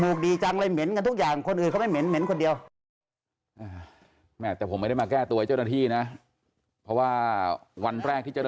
ไม่ดมเมื่อคืนนี้มันจมูกดีจังเลยเหม็นกันทุกอย่าง